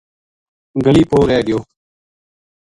گلی پو رہ گیو